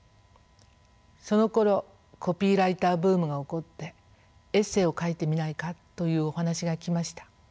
そのころコピーライターブームが起こってエッセーを書いてみないかというお話が来ました。